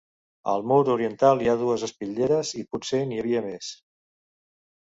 Al mur oriental hi ha dues espitlleres i potser n'hi havia més.